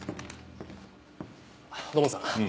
土門さん